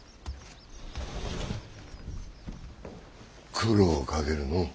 苦労をかけるのう。